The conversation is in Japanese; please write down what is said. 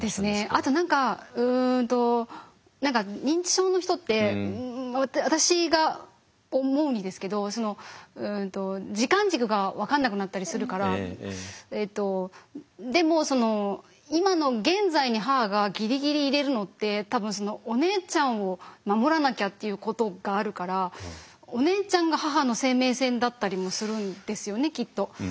あと何か何か認知症の人って私が思うにですけど時間軸が分かんなくなったりするからえっとでも今の現在に母がギリギリいれるのって多分お姉ちゃんを守らなきゃっていうことがあるからお姉ちゃんが母の生命線だったりもするんですよねきっと。